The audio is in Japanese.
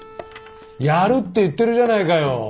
やるって言ってるじゃないかよ。